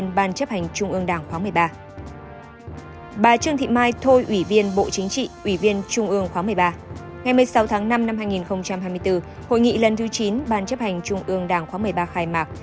ngày một mươi sáu tháng năm năm hai nghìn hai mươi bốn hội nghị lần thứ chín ban chấp hành trung ương đảng khóa một mươi ba khai mạc